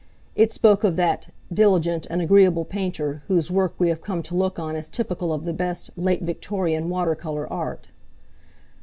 It spoke of that "diligent and agreeable painter whose work we have come to look on as typical of the best late Victorian water colour art."